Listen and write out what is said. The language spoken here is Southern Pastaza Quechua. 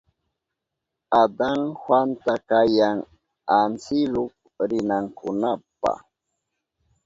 Adan Juanta kayan antsiluk rinankunapa.